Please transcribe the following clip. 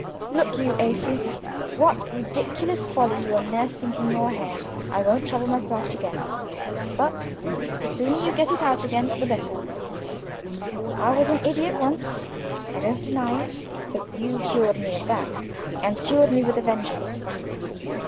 "Look you, Afy. What ridiculous folly you are nursing in your head I don't trouble myself to guess, but, the sooner you get it out again the better. I was an idiot once, I don't deny it; but you cured me of that, and cured me with a vengeance.